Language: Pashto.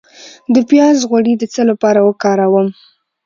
د پیاز غوړي د څه لپاره وکاروم؟